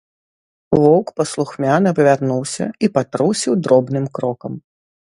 Воўк паслухмяна павярнуўся і патрусіў дробным крокам.